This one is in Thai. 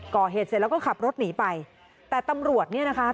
ก่อเหตุเสร็จแล้วก็ขับรถหนีไปแต่ตำรวจเนี่ยนะคะ